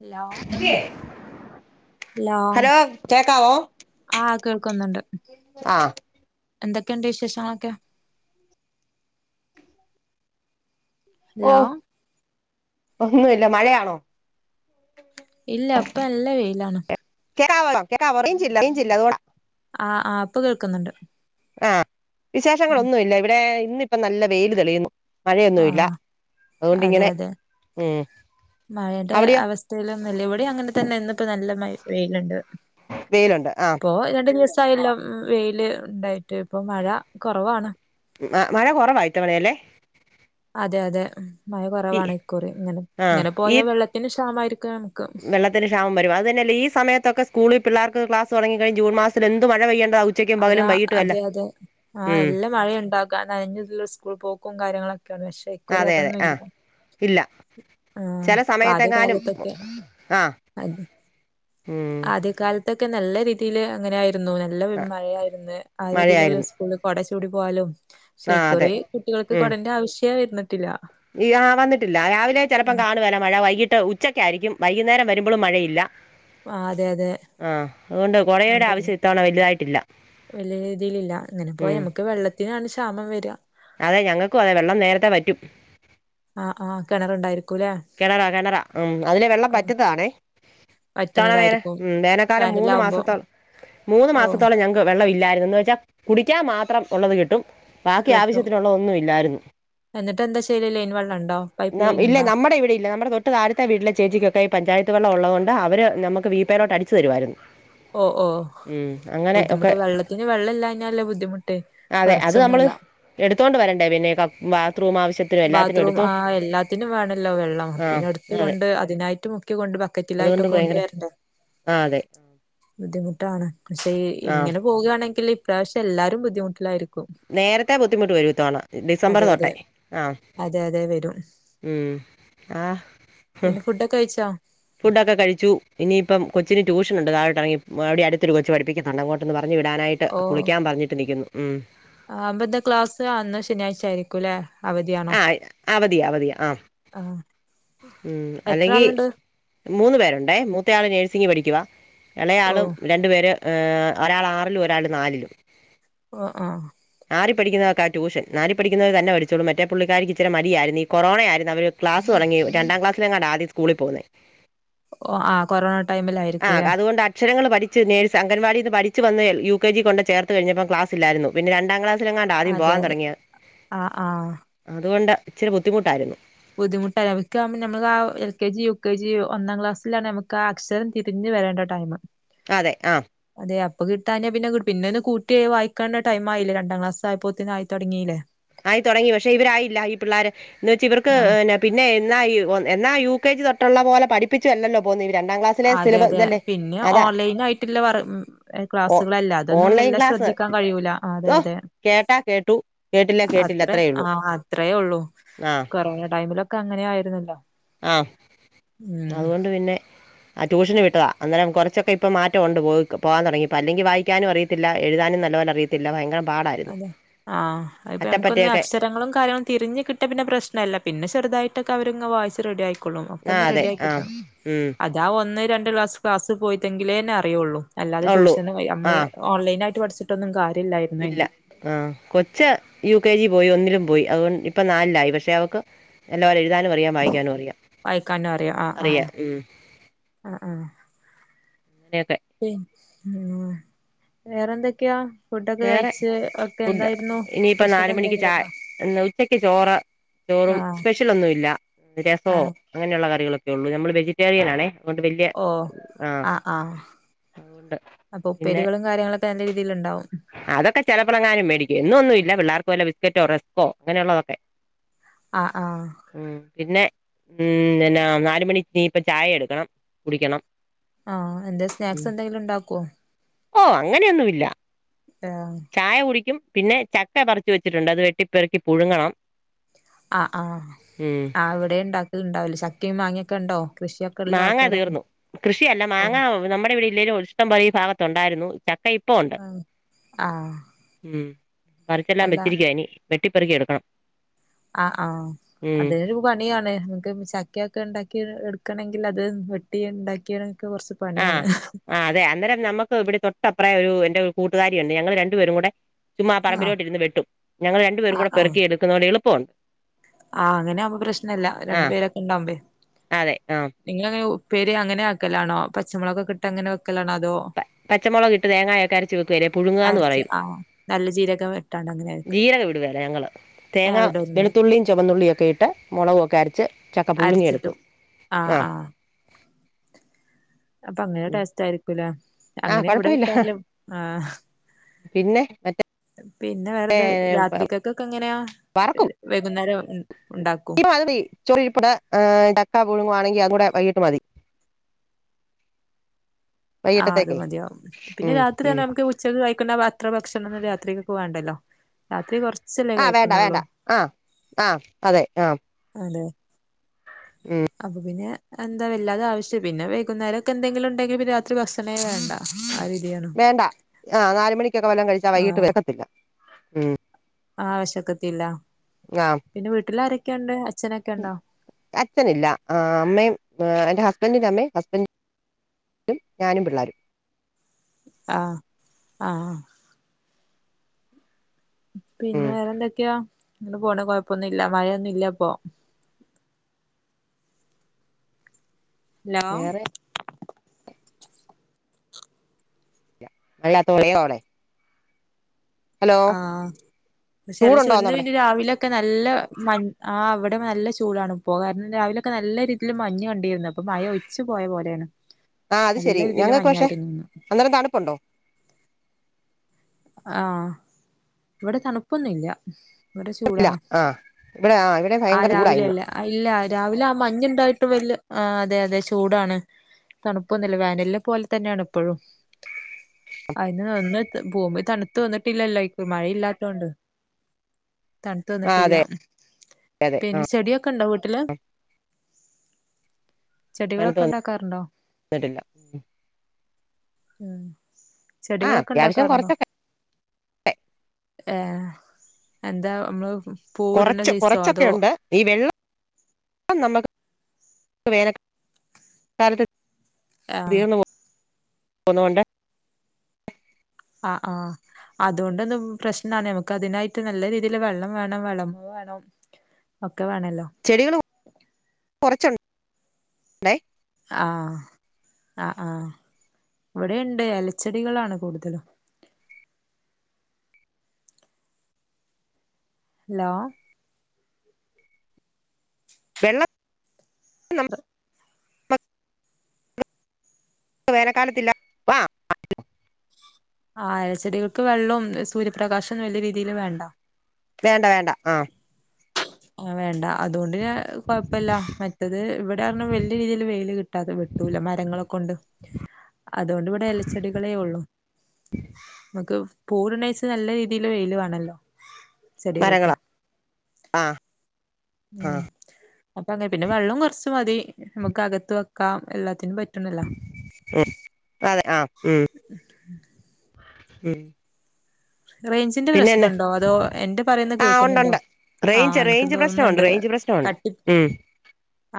Hello hello. ആഹ് കേൾക്കുന്നുണ്ട്. ആഹ്. എന്തൊക്കെണ്ട് വിശേഷങ്ങളൊക്കെ? ഹലോ ഓഹ് ഒന്നുവില്ല മഴയാണോ? ഇല്ല പ്പ ല്ല വെയിലാണ്. കേക്കാവോ കേക്കാവോ റേഞ്ചില്ല റെയ്ഞ്ചില്ല അത്കൊണ്ടാ. ആഹ് ആഹ് ഇപ്പൊ കേക്കുന്നുണ്ട്. ആഹ് വിശേഷങ്ങളൊന്നും ഇല്ല ഇവിടെ ഇന്നിപ്പ നല്ല വെയില് തെളിയുന്നു. മഴയൊന്നുവില്ല ആഹ് അതെ അതുകൊണ്ടിങ്ങനെ അതെ ഉം അവിടെയോ? [unintelligible] ഇവിടെം അങ്ങനെ തന്നെ ഇന്നിപ്പോ നല്ല മ വെയിലുണ്ട്. വെയിലുണ്ട് ആഹ്. പ്പൊ രണ്ടു ദിവസായല്ലോ വെയില് ഉണ്ടായിട്ട് ഇപ്പൊ മഴ കൊറവാണ്. മ മഴ കൊറവ ഇത്തവണ അല്ലേ. അതെ അതെ മഴ ഈ കൊറവാണ് ഇക്കുറി ഇങ്ങന ആ ഇങ്ങനെ പോയാ വെള്ളത്തിന് ക്ഷാമായിരിക്കാ. വെള്ള. ത്തിന് ക്ഷാമം വരും അതന്നെല്ലേ ഈ സയത്തക്കെ സ്കൂളീ പിള്ളാർക്ക് ക്ലാസ് തൊടങ്ങിക്കഴി ജൂൺ മാസത്തിലെന്ത് മഴപെയ്യണ്ടത അതാ അതെയതെ ആഹ് ഉം അല്ല മഴയുണ്ടാകും. കാ നനഞ്ഞ്ള്ള സ്കൂളി പോക്കും കാര്യങ്ങളൊക്കെയാണ് പക്ഷെ ഇക്കുറി അതെ അതെ അതൊന്നും ആ ഇല്ല. ഇല്ല ആഹ് ചില ആദ്യ സമയത്തെങ്ങാനും കാലത്തൊക്കെ ആ അത്. ഉം ആദ്യ കാലത്തൊക്കെ നല്ല രീതില് അങ്ങനായിരുന്നു നല്ല മഴയായിരുന്ന് ആ രീതീലുള്ള. മഴയായിരുന്നു സ്കൂളി കൊട ചൂടി പോവാലൊ ഷേ ആ അതെ ഇക്കുറി കുട്ടികൾക്ക് ഉം കൊടേന്റെ ആവശ്യേ വരന്നിട്ടില്ല. ഈ ആഹ് വന്നിട്ടില്ല രാവിലെ ചെലപ്പം കാണുവല മഴ വൈകിട്ട്. ഉച്ചക്കാരിക്കും വൈകുന്നേരം വരുമ്പളും മഴയില്ല. ആഹ് അതെ അതെ. ആഹ് അതുകൊണ്ട് കൊടേടെ ആവശ്യം ഇത്തവണ വെലുതായിട്ടില്ല. വല്യ രീതിലില്ല ഇങ്ങനെ പോയ നമ്മ്ക്ക് വെള്ളത്തിനാണ് ക്ഷാമം വരിക. അതെ ഞങ്ങക്കും അതെ വെള്ളം നേരത്തെ വറ്റും. ആഹ് ആഹ് കെണറുണ്ടായിരിക്കും. കെണറ കെണറ ഉം അതിലെ വെള്ളം പറ്റ്ന്നതാണേ. ഇത്തവണ വേന വറ്റുന്നതായിരിക്കും ഉം വേനൽക്കാലം മൂന്ന് വേനലാവുമ്പോ മാസത്തോളം മൂന്ന് ഓഹ് മാസത്തോളം ഞങ്ങക്ക്. വെള്ളവില്ലാരുന്നു എന്ന് വെച്ചാ കുടിക്കാൻ മാത്രം ഒള്ളത് കിട്ടും ബാക്കി കിട്ടും ആവശ്യത്തിനുള്ളതൊന്നും ഇല്ലാരുന്നു. എന്നിട്ട് എന്താ ചെയ്യല് ലൈൻ വെള്ളം ഉണ്ടോ പൈപ്പ് ലൈൻ ഉണ്ടോ? ഇപ്പ ഇവ്ടെ ഇല്ല നമ്മടെ തൊട്ട് താഴത്തെ വീട്ടിലെ ചേച്ചിക്കൊക്കെ ഈ പഞ്ചായത്ത് വെള്ളം ഒള്ളത് കൊണ്ട് അവര് നമ്മക്ക് വീപ്പേലോട്ടടിച്ചു തരുവാരുന്നു. ഓഹ് ഓഹ് ബുദ്ധിമുട്ട് വെള്ളത്തിന് വെള്ളം ഇല്ലായ്ഞാലുള്ള ബുദ്ധിമുട്ട്. അതെ അത് നമ്മള് കൊറച്ചൊന്നുമല്ല എടുത്തോണ്ട് വരണ്ടേ പിന്നെ ക ബാത്റൂം ആവശ്യത്തി ബാത്റൂം ആഹ് എല്ലാത്തിനും വേണൊല്ലോ വെള്ളം ആ പിന്നെ എടുത്ത് അതെ കൊണ്ട് അതിനായിട്ടും. യ്ക്ക് കൊണ്ട് ബക്കറ്റിലായിട്ടൊക്കെ കൊണ്ട് വരണ്ടെ. ആഹ് അതെ. ബുദ്ധിമുട്ടാണ് പക്ഷേ ആ ഇങ്ങനെ പോവുകാണെങ്കില് ഇപ്രാവശ്യം എല്ലാരും ബുദ്ധിമുട്ടിലാരി നേരത്തെ ബുദ്ധിമുട്ട് വരും ഇത്തവണ അതെ ഡിസംബറ് അതെ തൊട്ടേ ആഹ് അതെ അതെ വരും ഉം ആഹ് പിന്നെ ഫുഡൊക്കെ കഴിച്ചോ ഫുഡൊക്കെ കഴിച്ചു ഇനിയിപ്പം കൊച്ചിന് ട്യൂഷനുണ്ട് താഴോട്ട് എറങ്ങി മവിടെ അടുത്തൊരു കൊച്ച് പഠിപ്പിക്കുന്നൊണ്ട് അങ്ങോട്ടൊന്ന് പറഞ്ഞു വിടാനായി റ്റ കുളിക്കാൻ പറഞ്ഞിട്ട് നിക്കുന്നു ഉം അമ്പത്തെ ക്ലാസ് അന്ന് ശനിയാഴ്ച ആയിരിക്കൂല്ലേ അവധിയാണോ ആയില്ല അവധിയാ അവധിയാ ആഹ് ആ ഉം എത്ര അല്ലെങ്കി ആളുണ്ട് മൂന്ന് പേരൊണ്ടേ മൂത്തയാള് നേഴ്സിംങ്ങ് പഠിക്കുവാ ഓ എളയാള് രണ്ടു പേര് ഒരാള് ആറിലും ഒരാള് നാലിലും ഓ ഓ ആറിൽ പഠിക്കുന്നവക്കാ ട്യൂഷൻ നാലിൽ പഠിക്കുന്നത് തന്നെ പഠിച്ചോളും മറ്റേ പുള്ളിക്കാരിക്ക് ഇച്ചിരി മടിയാരുന്നു ഈ കൊറോണ ആയിരുന്നുവര് ക്ലാസ് തുടങ്ങി രണ്ടാംക്ലാസ്സിൽ എങ്ങാണ്ടാ ആദ്യ സ്കൂളിൽ പോകുന്നേ ഓ ആഹ് കൊറോണ ടൈമില് ആയിരിക്കൂല്ലേ അക്ഷരങ്ങള് പഠിച്ച് നേഴ്സ് അംഗൻവാടിന്ന് പഠിച്ച് വന്നേ യു കെ ജി കൊണ്ട് ചേർത്ത് കഴിഞ്ഞപ്പം ക്ലാസ്സില്ലാരുന്നു പിന്നെ രണ്ടാം ക്ലാസ് അതെ അതെ ആഹ് ആഹ് അതുകൊണ്ട് ഇച്ചിരി ബുദ്ധിമുട്ടാരുന്നു ബുദ്ധിമുട്ടല്ല ഞമ്മക്കാവുമ്പോ ഞമ്മൾ ആഹ് L K G U K G ഒന്നാംക്ലാസ്സിലാണ് ഞമുക്കാ അക്ഷരം തിരിഞ്ഞ് വരേണ്ട ടൈമ് അതെ ആഹ് അതെ അപ്പോ കിട്ടാനാ പിന്നെ പിന്നെ ഒന്ന് കൂട്ടി വായിക്കണ്ട ടൈമായില്ല രണ്ടാം ക്ലാസ്സായപ്പോത്തിന് ആയി തൊടങ്ങീല്ലേ ആയി തുടങ്ങി പക്ഷേ ഇവരായില്ല ഈ പിള്ളാര് എന്ന് വെച്ച് ഇവർക്ക് ആഹ് ന്നെ പിന്നെ എന്നാ ഈ ഒ എന്നാ യു കെ ജി തൊട്ടുള്ള പോലെ പഠിപ്പിച്ച് തന്നല്ലോ പോവുന്നേ ഇവര് രണ്ടാം ക്ലാസ്സാ അതെ അതെ പിന്നെ ഓൺലൈൻ ആയിട്ടുള്ള വറ് ഓ ക്ലാസ്സുകളല്ല അതൊന്നും വല്ല ശ്രദ്ധിക്കാൻ കഴിയൂല ദാ കേട്ടാ കേട്ടു കേട്ടില്ല കേട്ടില്ല അത്രേം അത്രേ ഉള്ളൂ ആഹ് അത്രയേ ഒള്ളു ആഹ് കൊറോണ ടൈമിലൊക്കെ അങ്ങനെ ആയിരുന്നല്ലോ ആഹ് ഉം അതുകൊണ്ട് പിന്നെ ആഹ് ട്യൂഷന് വിട്ടതാ അന്നേരം കൊറച്ചൊക്കെ ഇപ്പം മാറ്റം ഒണ്ട് പോവക്ക് പോവാൻ തൊടങ്ങിയപ്പം അല്ലെങ്കി വായിക്കാനും അറിയത്തില്ല എഴുതാനും നല്ലപോലെ അറിയും ത്തില്ല ഭയങ്കര പാടാരുന്നു അതെ അറ്റപ്പറ്റയൊക്കെ ത്തങ്ങളും കാര്യങ്ങളും തിരിഞ്ഞ് കിട്ടിയാപിന്നെ പ്രശ്നല്ല പിന്നെ ചെറുതായിട്ടൊക്കെ അവര് ഇങ്ങ് വായിച്ച് റെഡിയായി ക്കുണു ഒക്ക ആ ഒന്ന് അതെ റെഡി ആയി ആഹ് കിട്ടണം ഉം അദ് ഇതാ ഒന്ന് രണ്ട് ക്ലാസ് ക്ലാസ് പോയിത്തെങ്കിലേന്നെ അറിയുള്ളൂ അല്ലാതെ ഉള്ളൂ ട്യൂഷന് പോയി അമ്മള് ആഹ് ഓൺലൈനായിട്ട് പഠിച്ചിട്ടൊന്നും കാര്യ ഇല്ലാ ഇല്ല ആഹ് കൊച്ച് യു കെ ജി പോയി ഒന്നിലും പോയി അതുകൊണ്ട് ഇപ്പോ നാലിലായി പക്ഷേ അവക്ക് നല്ലോണം എഴുതാനും അറിയാം വായിക്കാനും അറിയാം വായിക്കാനും ആഹ് അറിയാം ആഹ് ഉം ആഹ് ആഹ് അതെ ഉം വേറെ എന്തൊക്കെയാ വേറെ ഫുഡ് ഇനിപ്പം സ്പെഷ്യൽ നാല് മണിക്ക് എന്തെങ്കിലും ചായ ഉണ്ടോ ഉച്ചക്ക് ചോറ് ചോറും ആഹ് സ്പെഷ്യലൊന്നും ഇല്ല രസോ ആഹ് അങ്ങനെയുള്ള കറികളൊക്കെ ഒള്ളൂ ഞമ്മള് വെജിറ്റേറിയൻ ആണേ അതുകൊണ്ട് വലിയ ഓ ആഹ് ആഹ് അതുകൊണ്ട് അപ്പോ പിന്നെ ഉപ്പേരികളും കാര്യങ്ങളൊക്കെ എന്റെ രീതിലുണ്ടാവും അതൊക്കെ ചെലപ്പളങ്ങാനും മേടിക്കും എന്നും എന്നും ഇല്ല പിള്ളാർക്ക് വല്ല ബിസ്ക്കറ്റോ റെസ്കോ അങ്ങനെയുള്ളതൊക്കെ ആഹ് ആഹ് ഉം പിന്നെ ഉം നിന്നാ നാലുമണി ഇനി ഇപ്പ ചായ എടുക്കണം കുടിക്കണം ആഹ് എന്തേ സ്നാക്സ് ഉം എന്തെങ്കിലും ഉണ്ടാക്കോ ഓ അങ്ങനെ ഒന്നും ഇല്ല ആഹ് ചായ കുടിക്കും പിന്നെ ചക്ക പറിച്ച് വെച്ചിട്ടുണ്ട് അത് വെട്ടിപ്പെറക്കി പുഴുങ്ങണം ആഹ് ആഹ് ഉം ആഹ് അവിടെ ഇണ്ടാക്കല്ണ്ടാവില്ല ചക്കേം മാങ്ങേക്കൊണ്ടോ കൃഷി മാങ്ങ തീർന്നു കൃഷിയല്ല മാങ്ങ നമ്മുടെ ഇവിടെ ഇല്ലേലും ഇഷ്ടം പോലെ ഈ ഭാഗത്തുണ്ടാരുന്നു ചക്ക ഈ ആഹഹ് ഉം പ റിച്ചെല്ലാം വെച്ചിരിക്കുവ ഇനി വെട്ടിപ്പറുക്കി എടുക്കണം ആഹ് ആഹ് ഉം അതരു പണിയാണ് നമുക്ക് ചക്കയൊക്കെ ഉണ്ടാക്കി എടുക്കണമെങ്കിൽ അത് വെട്ടി ഉണ്ടാക്കിയണമൊക്കെ കൊറച്ച് ആഹ് ആഹ് അതെ അന്നേരം നമ്മുക്ക് ഇവിടെ തൊട്ടപ്രായ ഒരു എന്റെ ഒരു കൂട്ടുകാരി ഉണ്ട് ഞങ്ങള് രണ്ടുപേരും കൂടെ ചുമ്മാ ആഹ് പറമ്പിലോട്ട് ഇരുന്ന് വെട്ടും ഞങ്ങൾ രണ്ടുപേരും ആഹ് കുടെ ആഹ് പെറുക്കി എടുക്കുന്ന കൊണ്ട് എളുപ്പമുണ്ട് ആഹ് അങ്ങനൊവുമ്പോ പ്രശ്നല്ല രണ്ടു ആഹ് പേരൊക്കെ ഇണ്ടാവുമ്പേ അതെ ആഹ് നിങ്ങളെങ്ങെനെ ഉപ്പേരി അങ്ങനെക്കലാണോ പച്ചമുളൊക്കെകിട്ട് അങ്ങനെ വെക്കലാണോ അതോ പ പച്ചമുളകിട്ട് തേങ്ങായൊക്കെ അരച്ചു വെക്കല്ലേ പുഴുങ്ങന്ന് അരച്ച് പറയും ആഹ് നല്ല ജീരകം ഇട്ടാണ്ട് അങ്ങനെ വെക്കല് ജീരൊകെടുവേല ഞങ്ങള് തേങ്ങ ഏഹ് ഇടലുണ്ട് വെളുത്തുള്ളി ചുവന്നുള്ളിയൊക്കെ ഇട്ട് മുളകൊക്കെ അരച്ച് ചക്ക അരച്ചിട്ടും പുഴുങ്ങിയെടുക്കും ആഹ് അപ്പൊ അങ്ങനെ ആഹ് ടേസ്റ്റ് ആയിരിക്കൂല ആഹ് അങ്ങനെ ഇവിടെ കുഴപ്പമില്ല വെക്കാറില്ല ആഹ് പിന്നെ മറ്റേ പിന്നെ വേറെന്താ രാത്രികക്കൊക്കെ എങ്ങനെയാ വറക്കും വൈകുന്നേരം ഉണ്ടാക്കും മതി ചൊഴി പുടെ ഡക്കാ പഴുങ്ങുകവാണെങ്കി അത് കൂടെ വൈകീട്ട് മതി ആഹ് അത് വൈകിട്ടത്തേക്കേ മതിയാവും പിന്നെ ഉം രാത്രിയാ ഉം നമുക്ക് ഉച്ചക്ക് കയിക്കണ്ട അത്ര ഭക്ഷണം ഒന്നും രാത്രിക്ക് വാണ്ടല്ലോ രാത്രി കൊറച്ച് ആഹ് വേണ്ട വേണ്ട ആഹ് ആഹ് അതെ ആഹ് അതെ അപ്പൊ പിന്നെ എന്താ വല്ലാതെ ആവശ്യം പിന്നെ വൈകുന്നരംക്കെ എന്തെങ്കിലും ഉണ്ടെങ്കിൽ രാത്രി ഭക്ഷണേ വേണ്ട ആ രീതിയാണ് വേണ്ട ആ നാല് മണിക്കൊക്കെ വല്ലം കഴിച്ചാ വൈകിട്ട് വെക്കത്തില്ല ഉം ആവശ്യക്കത്തില്ല ആഹ് പിന്നെ വീട്ടിലാരൊക്കെ ഉണ്ട് അച്ചനൊക്കെ ഉണ്ടോ അച്ഛനില്ല അമ്മയും എന്റെ ഹസ്ബൻന്റിന്റെ അമ്മയും ഹസ്ബൻ ന്റും ഞാനും പിള്ളേരും ആഹ് ആഹ് പിന്നെ ഉം വേറെന്തൊക്കെയാ ഇന്ന് പോണ് കൊഴപ്പൊന്നുംല്ല മഴയൊന്നും ഇല്ലപ്പ ഹലോ വേറെ [unintelligible] ഹലോ ആഹ് ചൂടുണ്ടോന്ന് പക്ഷെല്ചന്ന് അവിടെ പിന്നെ രാവിലെ ക്കെ നല്ല മ ആ അവിടെ നല്ല ചൂടാണ് ഇപ്പൊ കാരണം രാവിലൊക്കെ നല്ല രീതിയിൽ മഞ്ഞ് കണ്ടിരുന്നത് അപ്പ മഴ ഒ യിച്ച് പോയ പോലെയാണ് ആ അത് നല്ല ശരി രീതിൽ ഞങ്ങൾക്ക് പക്ഷെ മഞ്ഞായിരുന്നുന്ന് അന്നേരം തണുപ്പുണ്ടോ ആഹ് ഇവിടെ തണുപ്പൊന്നുംല്ല ഇവിടെ ഇല്ല ചൂടാണ് ആ ഇവിടെ ആ ഇവിടെ ആ ഭയങ്കര ചൂടാ ഇന്ന് രാവിലല്ല ഇല്ല രാവിലെ ആ മഞ്ഞുണ്ടായിട്ട് വല്യ ആ അതെ അതെ ചൂടാണ് തണുപ്പൊന്നുല്ല വേനൽ പോലെ തന്നെയാണ് ഇപ്പോഴും അതിന്ന്ന് പോപ തണുത്തു വന്നിട്ടില്ലല്ലോ ഇപ്പൊ മഴയില്ലാത്തൊണ്ട് തണുത്ത് ആ വന്നിട്ടില്ല അതെ അതെ ആ പിന്നെ ചെടിയൊക്കെ ഉണ്ടോ വീട്ടില് ചെടികളൊക്കെ തണുത്ത് ഉണ്ടാക്കാറുണ്ടോ ന്നിട്ടില്ല ഉം ആ ചെടികളൊക്കെ അത്യാവശ്യം ഉണ്ടാക്കാറുണ്ടോ കുറച്ചൊക്കെ ഏഹ് എന്താ നമ്മള് പൂവിടണ്ട കൊറച്ച് സൈസോ അതോ കൊറച്ചൊക്കെുണ്ട് ഈ വെള്ളം നമുക്ക് വേനൽ കാലത്ത് ആ തീർന്ന് പോന്നൊണ്ട് ആഹ് ആഹ് അതുകൊണ്ടൊന്ന പ്രശ്നാണ് നമക്ക് അതിനായിട്ട് നല്ല രീതിയിൽ വെള്ളം വേണം വിളവ് വേണം ഒക്കെ വേണല്ലോ ചെടികളും കൊറച്ചുണ്ട് ആഹ് ആഹ് ആഹ് ഇവിടെണ്ട് ഇലച്ചെടികളാണ് കൂടുതലും ഹലോ വെള്ളം നം മക് [unintelligible] വേനക്കാലത്തില്ല ആഹ് എലച്ചെടികൾക്ക് വെള്ളും സൂര്യപ്രകാശൊന്നും വല്യയ രീതിയില് വേണ്ട വേണ്ട വേണ്ട ആഹ് അങ്ങെ വേണ്ട അതുകൊണ്ട് ഞാ കൊഴപ്പല്ല മറ്റത് ഇവിടെ പർഞ്ഞ വലിയ രീതിയിൽ വെയില് കിട്ടാതെ വെ രൂല മരങ്ങളൊക്ക ഒണ്ട് അതുകൊണ്ട് ഇവിടെ എലച്ചെടികളേ ഒള്ളു നമുക്ക് പൂവിട്ണേച്ചാ നല്ല രീതിയില് വെയില് വേണല്ലോ ചെടികൾക്ക് മരങ്ങളാ ആ ആഹ് ആ അപ്പ അങ്ങനെ പിന്നെ വെള്ളം കൊർച്ച് മതി നമുക്ക് അകത്ത് വെക്കാം എല്ലാത്തിനും പറ്റുന്നത് ഉം അതെ ആഹ് ഉം ഉം റൈഞ്ചിന്റെ പിന്നെന്നാ പ്രശ്നണ്ടോ അതോ എന്റെ പറയുന്ന ആ കേൾക്കുന്നുണ്ടോ ഉണ്ടുണ്ട് ആഹ് റേഞ്ച് എൻക്കും റേഞ്ച് പ്രശ്നമുണ്ട് തോന്നുന്നുണ്ട് റേഞ്ച് പ്രശ്നമുണ്ട് കട്ടി ഉം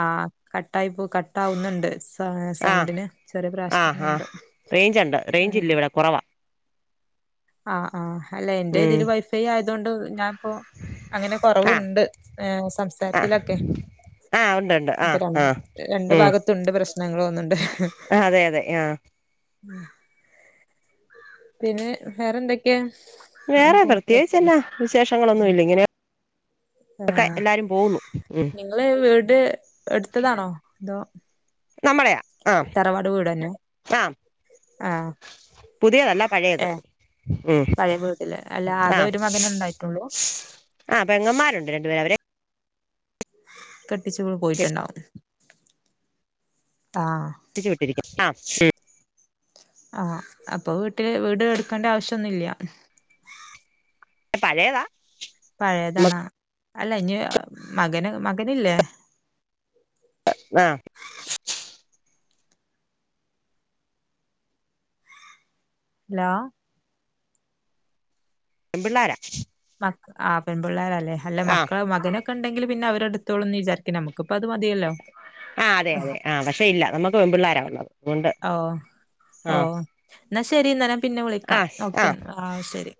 ആഹ് കട്ടായി പോ കട്ടാവുന്ന്ണ്ട് പ്പ ആ സൗണ്ടിന് ചെറിയ ആ ആ പ്രദശ്നങ്ങളുണ്ട് റേഞ്ച് ഉണ്ട് റേഞ്ച് ഇല്ല ആഹ് ഇവിടെ കുറവാ ആഹ് ആഹ് അല്ലെ എന്റെ ഉം ഇതില് വൈ ഫൈ ആയതോണ്ട് ഞാൻ പ്പൊ അങ്ങനെ ആ കൊറവ്ണ്ട് ഏ ആ സംസാരത്തിലൊക്കെ ആ ഉണ്ട് ഉണ്ട് ആ ഇപ്പൊ ആ രണ് രണ്ട് ഭാഗത്തുണ്ട് പ്രശ്നങ്ങള് തോന്നുന്ന്ണ്ട് ആഹ് അതെയതെ ആഹ് പിന്നെ വേറെന്തെക്കെ വേറെ പ്രത്യേകിച്ചെന്നാ വിശേഷങ്ങളൊന്നും ഇല്ല ഇങ്ങനെ യൊക്കെ എല്ലാരും പോകുന്നു ഉം ങ്ങളെ വീട് എട്ത്തതാണോ അതോ നമ്മെളേയാ തറവാട് വീടന്നെ ആഹ് പുതിയതല്ല പഴയത് ഏഹ് ഉം പഴയ വീട്ടില് അല്ല ആക ആഹ് ഒരു മകനെ ഇണ്ടായിട്ടൊള്ളൂ ആഹ് പെങ്ങമ്മാരുണ്ട് രണ്ടുപേര് അവരെ കെട്ടിച്ചു പോയിട്ടുണ്ടാവും ആഹ് ട്ടിച്ചു വിട്ടിരിക്കും ആഹ് ഉം ആഹ് അപ്പൊ വീട്ടില് വീട് ഇട്ക്കേണ്ട ആവശ്യോന്നും ഇല്ല പഴയതാ പഴയതാണാ അല്ല ഇനി മകന് മകനില്ലേ ആഹ് ഹലോ പെമ്പിള്ളാരാ മക് ആഹ് പെൺപിള്ളാരല്ലേ അല്ല ആഹ് മക്കള് മകനൊക്കെ ഇണ്ടെങ്കില് പിന്നെ അവരെടുത്തോളും ന്ന് വിചാരിക്ക്ണ് നമു ക്ക്പ്പ അത് മതിയല്ലോ ആഹ് അതെ അതെ ആഹ് പക്ഷെ ഇല്ല നമ്മക്ക് പെൺപിള്ളാരാണൊള്ളത് അതുകൊണ്ട് ആഹ് ഇന്നാ ശരി ന്നാ ഞാൻ പിന്നെ വിളിക്കാം ഓക്കെ എന്ന ആഹ് ശരി